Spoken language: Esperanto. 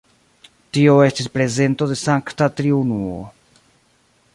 Tio estis prezento de Sankta Triunuo.